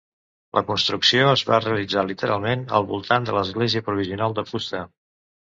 La construcció es va realitzar literalment al voltant de l'església provisional de fusta.